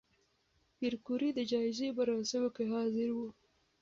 پېیر کوري د جایزې مراسمو کې حاضر و.